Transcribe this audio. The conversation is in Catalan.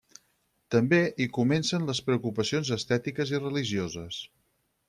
També hi comencen les preocupacions estètiques i religioses.